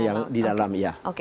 yang di dalam ya